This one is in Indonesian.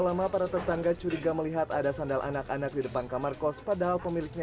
lama para tetangga curiga melihat ada sandal anak anak di depan kamar kos padahal pemiliknya